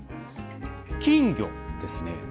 金魚ですね。